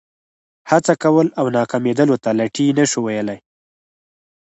هڅه کول او ناکامېدلو ته لټي نه شو ویلای.